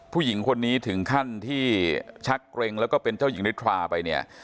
ผู้หญิงคนนี้ถึงขั้นที่ชักเกร็งแล้วก็เป็นเจ้าหญิงนิทราไปเนี่ย